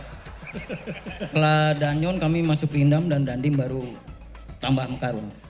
setelah danyun kami masuk rindam dan dandim baru tambah mekarum